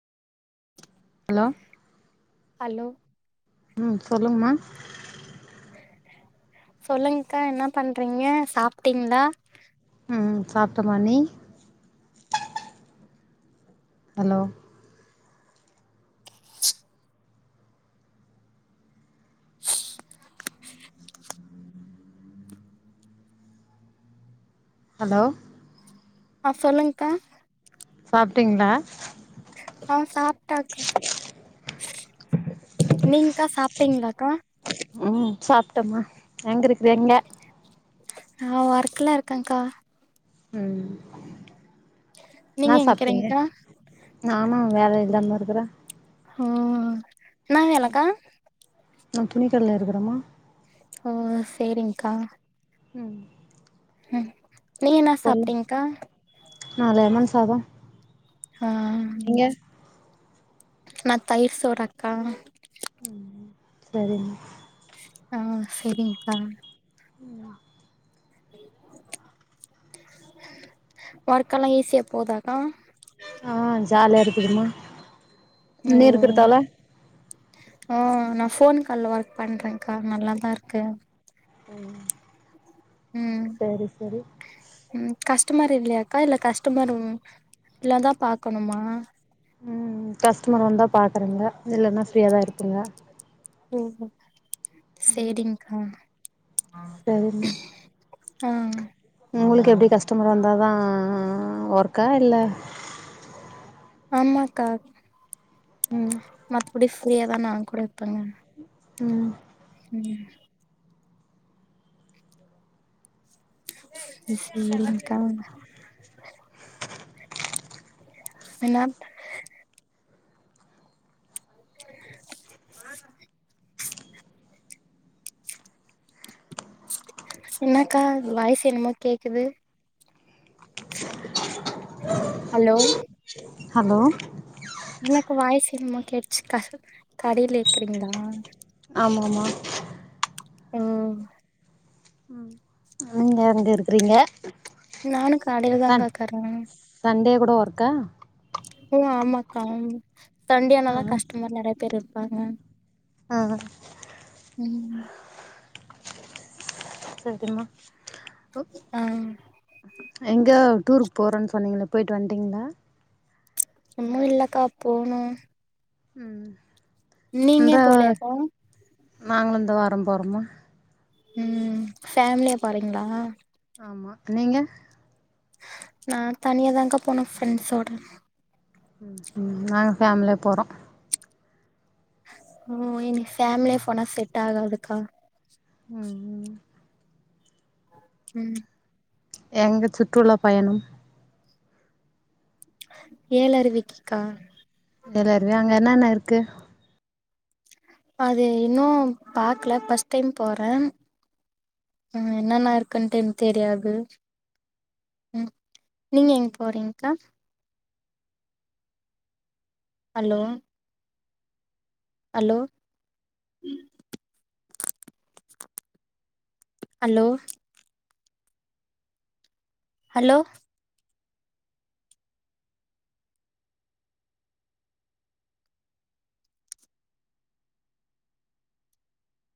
hello hello ம் சொல்லுங்கம்மா சொல்லுங்கா என்ன பண்றீங்க சாப்பிட்டீங்ளா ம் சாப்ட்டம்மா நீ ஹலோ ஹலோ ஆ சொல்லுங்க்கா சாப்ட்டிங்ளா சாப்ட்டாக்கா நீங்க்கா சாப்டிங்களாக்கா ம் சாப்ட்டம்மா எங்க இருக்றீங்க நா ஒர்க்கல இருக்கேன்க்கா ம் நீங்க என்னா சாப்ட்டீங்க எங்கிறீங்க்கா நானு வேல இல்லாம இருக்குறே ஆ என்னா வேலக்கா நா துணிக்கட்ல இருக்குறம்மா அ சேரிங்க்கா ம் ம் நீங் என்னா சொல்லு சாப்ட்டிங்க்கா நா லெமன் சாதோ அ நீங்க நா தயிர் சோறக்கா ம் செரிங்க அ செரிங்க்கா அ ஒர்க்கல்லா ஈஸியா போதாக்கா அ ஜாலியா இருக்குதும்மா ஓ நீ இருக்குறதாவ்ல ஆ நா ஃபோன் கால்ல ஒர்க் பண்றேன்கா நல்லாதா இர்க்கு ம் சரி சரி ஷ்டமர் இல்லையாக்கா இல்ல கஸ்டமர் ம் இல்லதா பாக்கணுமா ம் ம் ம் கஸ்டமர் வந்தா பாக்குறெங்க இல்லன்னா ஃப்ரீயாதா இருப்பெங்க ஓ சேரி்ங்க்கா செரி ஆ உங்குளுக்கு எப்டி கஷ்டமர் வந்தாதா ஆ ஒர்க்கா இல்ல ஆமாக்கா ம் மத்படி ஃப்ரீயாதா நா கூட இருப்பங்க ம் ம் ம் சேரிங்க்கா என்னாப் [inaudible] என்னக்கா வாய்ஸ் என்னமோ கேக்குது அலோ ஹலோ எனக்கு வாய்ஸ் என்னமோ கேட்டுச்சு கா கடைல இருக்குறீங்ளா ஆமாமா ம் ங்க எங்க இருக்கிறீங்க நானு கடைல தாங்காகறே கூடொ ஒர்க்கா ஓ ஆமாக்கா சண்டே ஆ யானல்லா கஷ்டமர் நெறய பேர் இருப்பாங்க ஆ ம் சரிம்மா ஆ எங்கா டூருக் போறொன் சொன்னீங்களே போய்ட் வன்ட்டீங்ளா உன்னு இல்லக்கா போணும் ம் நீங்க போலயாக்கா நாங்ளு இந்த வாரம் போறொம்மா ம் ஃபேம்லியா போறீங்ளா ஆமா நீங்க நான் தனியா தாங் கா போனு ஃப்ரெண்ட்ஸோட ம் நாங்க ஃபேம்லியா போறோ ஓ இனி ஃபேம்லியா போனா செட் ஆகாதுக்கா ம் ம் ம் எங்க சுற்றுலா பயணம் ஏழறுவிக்கிக்கா ஏழருவியா அங்க என்னன்ன இருக்கு அது இன்னூ பாக்ல ஃபஸ்ட் டைம் போறே ம் என்னன்னா இருக்கன் தென் தெரியாது ம் நீங்க எங் போறீங்கா ஹலோ அலோ அலோ ஹலோ